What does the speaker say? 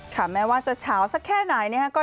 ค่ะแม้ว่าจะเช้าสักแค่ไหนนะคะ